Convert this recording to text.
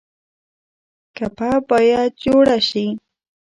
ګپه باید جوړه شي.